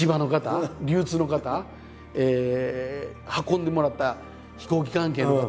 運んでもらった飛行機関係の方。